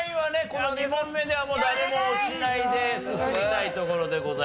この２問目では誰も落ちないで進みたいところでございます。